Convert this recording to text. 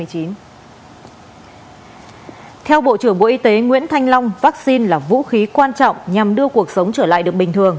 theo bộ trưởng bộ y tế nguyễn thanh long vaccine là vũ khí quan trọng nhằm đưa cuộc sống trở lại